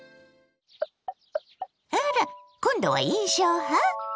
あら！今度は印象派？